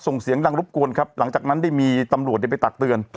ส่งเสียงดังรบกวนครับหลังจากนั้นได้มีตำรวจไปตักเตือน